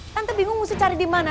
tante bingung mesti cari dimana